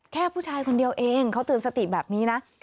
แค่ผู้ชายคนเดียวเองเขาเตือนสติแบบนี้นะ